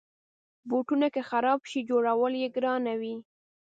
بوټونه که خراب شي، جوړول یې ګرانه وي.